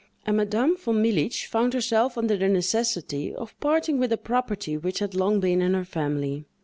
A Madame Von Militz found herself under the necessity of parting with a property which had long been in her family.